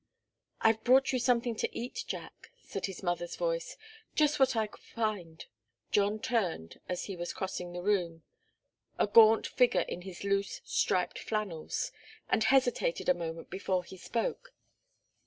"I've brought you something to eat, Jack," said his mother's voice. "Just what I could find " John turned as he was crossing the room a gaunt figure in his loose, striped flannels and hesitated a moment before he spoke.